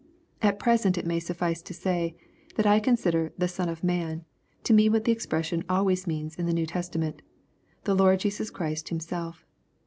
At present it may suffice to say, that I consider " the Son of man" to mean what the expression always means in the New Testament, the Lord Jesus Christ himself.